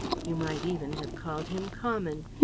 You might even have called him "common."